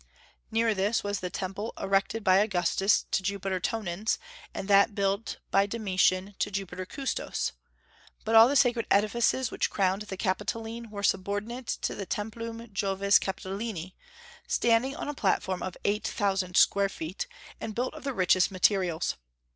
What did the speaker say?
Near this was the temple erected by Augustus to Jupiter Tonans, and that built by Domitian to Jupiter Custos. But all the sacred edifices which crowned the Capitoline were subordinate to the Templum Jovis Capitolini, standing on a platform of eight thousand square feet, and built of the richest materials.